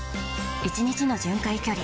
１日の巡回距離